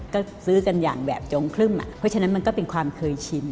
ก็ซื้อกันอย่างแบบจงครึ่มเพราะฉะนั้นมันก็เป็นความเคยชิน